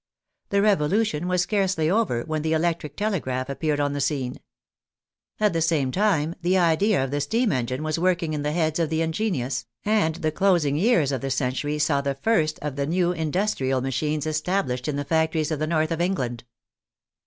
The Revolution was scarcely over when the electric tele graph appeared on the scene. At the same time the idea it6 THE FRENCH REVOLUTION of the steam engine was working in the heads of the ingenious, and the closing years of the century saw the first of the new industrial machines established in the factories of the North of England.